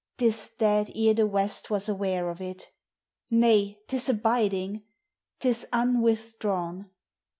'i is dead ere the West Was aware of il ! nay, 'I is abiding, *< li anwith drawn